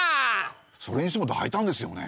それにしてもだいたんですよね。